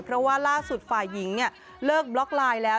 เพราะว่าล่าสุดฝ่ายหญิงเนี่ยเลิกบล็อกไลน์แล้ว